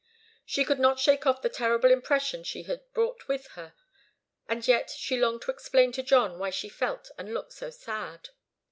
She could not shake off the terrible impression she had brought with her, and yet she longed to explain to John why she felt and looked so sad.